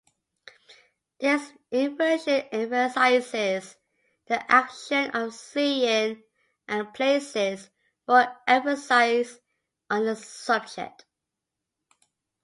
This inversion emphasizes the action of seeing and places more emphasis on the subject.